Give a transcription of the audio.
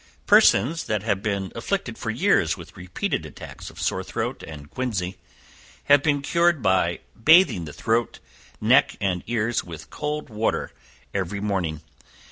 Persons that have been afflicted for years with repeated attacks of sore throat and quinsy, have been cured by bathing the throat, neck and ears with cold water every morning.